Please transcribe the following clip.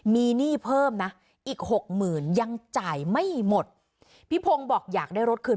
มีหนี้เพิ่มนะอีกหกหมื่นยังจ่ายไม่หมดพี่พงศ์บอกอยากได้รถคืน